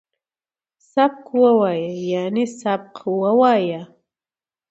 سبک وویه ، یعنی سبق ووایه